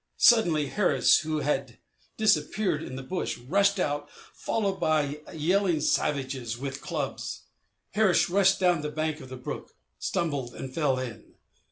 Suddenly Harris, who had disappeared in the bush, rushed out followed by yelling savages with clubs. Harris rushed down the bank of the brook, stumbled, and fell in.